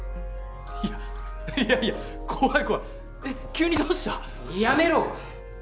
いやいやいや怖い怖いえっ急にどうした？